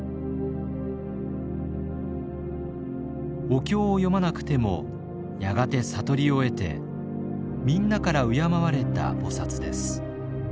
お経を読まなくてもやがて悟りを得てみんなから敬われた菩薩です。